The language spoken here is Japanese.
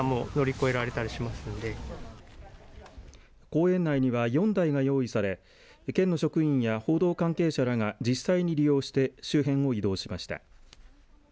公園内には、４台が用意され県の職員や報道関係者らが実際に利用して周辺を移動しました。